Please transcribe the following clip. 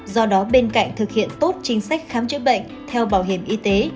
do đó bên cạnh thực hiện tốt chính sách khám chữa bệnh theo bảo hiểm y tế